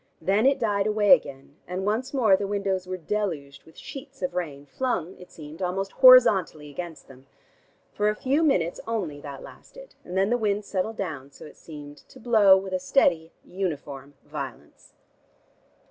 Then it died away again, and once more the windows were deluged with sheets of rain flung, it seemed, almost horizontally against them. For a few minutes only that lasted, and then the wind settled down, so it seemed, to blow with a steady uniform violence.